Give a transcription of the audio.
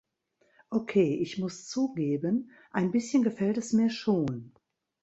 Okay, ich muss zugeben, ein bisschen gefällt es mir schon.